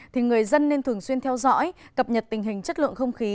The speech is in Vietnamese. thì người dân nên thường xuyên theo dõi cập nhật tình hình chất lượng không khí